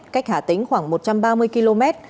cách hà tĩnh khoảng một trăm ba mươi km